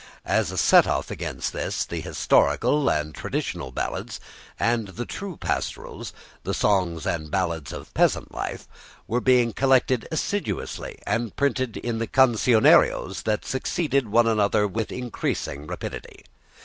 As a set off against this, the old historical and traditional ballads, and the true pastorals, the songs and ballads of peasant life, were being collected assiduously and printed in the cancioneros that succeeded one another with increasing rapidity.